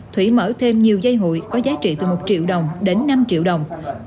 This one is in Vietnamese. thủy mở thêm nhiều dây hụi có giá trị từ một triệu đồng đến năm triệu đồng